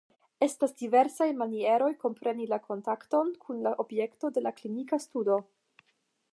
Estas diversaj manieroj kompreni la kontakton kun la objekto de klinika studo.